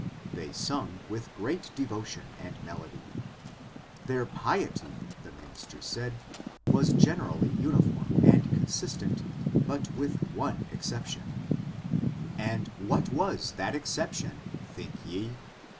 They sung with great devotion and melody. Their piety, the minister said, was generally uniform and consistent, with but one exception. And what was that exception, think ye?